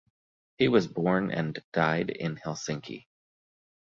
He was born and died in Helsinki.